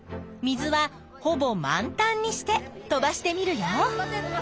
水は「ほぼ満タン」にして飛ばしてみるよ。